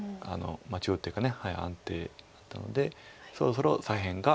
中央っていうか安定したのでそろそろ左辺が。